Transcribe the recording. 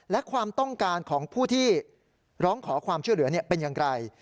และความต้องการของผู้ที่ร้องขอความช่วยเหลือเป็นอย่างไร